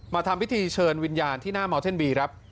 ทำพิธีเชิญวิญญาณที่หน้าเมาเท่นบีครับ